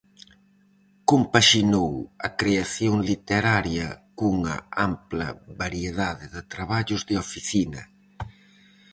Compaxinou a creación literaria cunha ampla variedade de traballos de oficina.